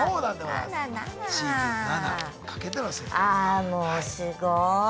いやあもうすごい。